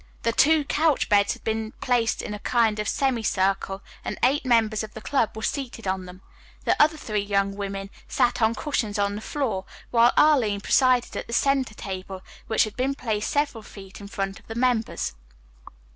The two couch beds had been placed in a kind of semicircle and eight members of the club were seated on them. The other three young women sat on cushions on the floor, while Arline presided at the center table, which had been placed several feet in front of the members.